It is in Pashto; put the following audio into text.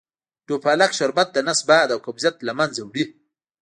ډوفالک شربت دنس باد او قبضیت له منځه وړي .